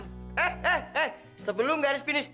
eh eh eh sebelum garis finish